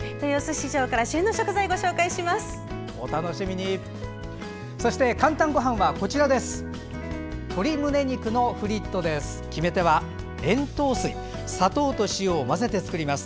市場から旬の食材をご紹介します。